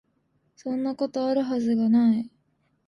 そんなこと、有る筈が無い